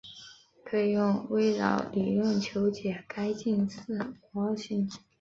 可以用微扰理论求解该近似模型。